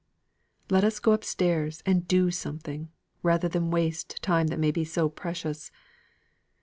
Let us go upstairs, and do something, rather than waste time that may be so precious.